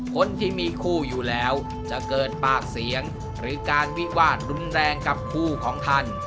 คนที่มีคู่อยู่แล้วจะเกิดปากเสียงหรือการวิวาดรุนแรงกับคู่ของท่าน